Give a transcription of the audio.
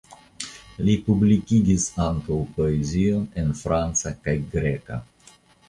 Li publikigis ankaŭ poezion en franca kaj greka.